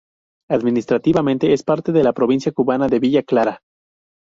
Administrativamente es parte de la provincia cubana de Villa Clara.